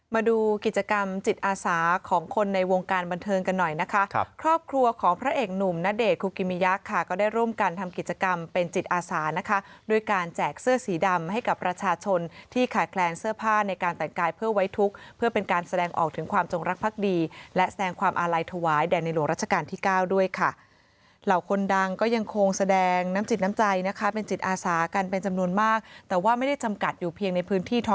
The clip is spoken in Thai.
มาดูกิจกรรมจิตอาสาของคนในวงการบันเทิงกันหน่อยนะคะครับครอบครัวของพระเอกหนุ่มณเดชน์คุกิมิยักษ์ค่ะก็ได้ร่วมกันทำกิจกรรมเป็นจิตอาสานะคะด้วยการแจกเสื้อสีดำให้กับประชาชนที่ขาดแคลนเสื้อผ้าในการแต่งกายเพื่อไว้ทุกข์เพื่อเป็นการแสดงออกถึงความจงรักภักดีและแสดงความอาลัยถวายแด่